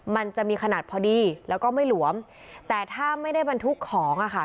มันจะมีขนาดพอดีแล้วก็ไม่หลวมแต่ถ้าไม่ได้บรรทุกของอ่ะค่ะ